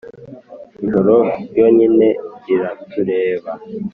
ijoro ryonyine riratureba -